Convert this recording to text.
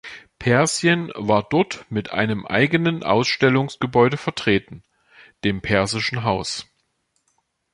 Persien war dort mit einem eigenen Ausstellungsgebäude vertreten, dem Persischen Haus.